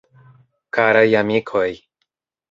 Karaj amikoj!